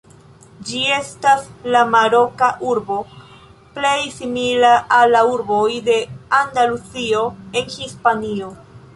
Ĝi estas la maroka urbo plej simila al la urboj de Andaluzio en Hispanio.